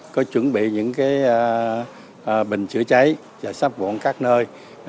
có chuẩn bị những bình chữa trái và sắp vụn các nơi